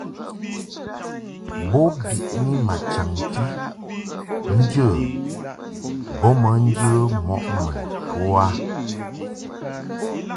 Bo biʼni ma chaŋti nje bo bə njə mɔʼ mun to a.